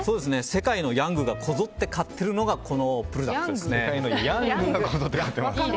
世界のヤングがこぞって買っているのがこのブルダックですね。